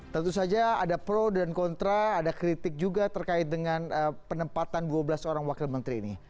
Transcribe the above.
tentu saja ada pro dan kontra ada kritik juga terkait dengan penempatan dua belas orang wakil menteri ini